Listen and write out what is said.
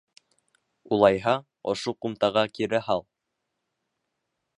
Улайһа, ошо ҡумтаға кире һал.